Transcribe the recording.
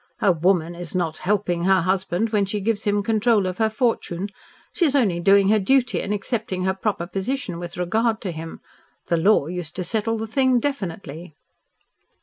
"A woman is not 'helping' her husband when she gives him control of her fortune. She is only doing her duty and accepting her proper position with regard to him. The law used to settle the thing definitely."